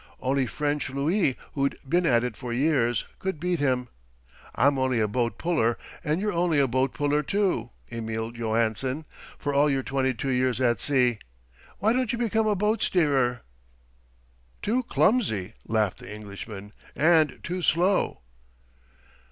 Only French Louis, who'd been at it for years, could beat him. I'm only a boat puller, and you're only a boat puller, too, Emil Johansen, for all your twenty two years at sea. Why don't you become a boat steerer?" "Too clumsy," laughed the Englishman, "and too slow."